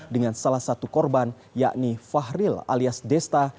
dengan salah satu korban yakni fahril alias desta